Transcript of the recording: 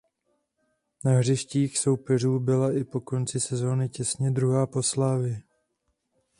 Na hřištích soupeřů byla i po konci sezony těsně druhá po Slavii.